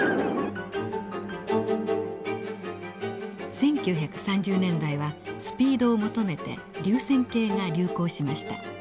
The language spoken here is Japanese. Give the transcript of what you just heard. １９３０年代はスピードを求めて流線型が流行しました。